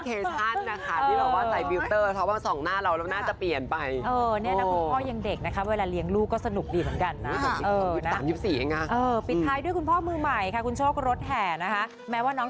คุณแม่หรอซ้อมไปก่อนนิดหนึ่ง